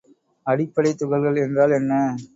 அடிப்படைத் துகள்கள் என்றால் என்ன?